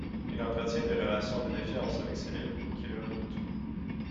Il entretient des relations de défiance avec Selim, qui le redoute.